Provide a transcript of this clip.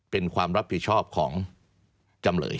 เป็นความรับผิดชอบของจำเลย